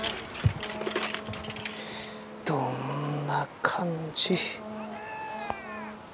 どんな感じ。